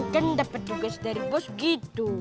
kan dapat tugas dari bos gitu